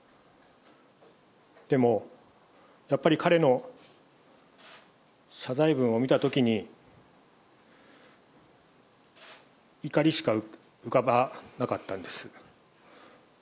でも、やっぱり彼の謝罪文を見たときに、怒りしか浮かばなかったんです。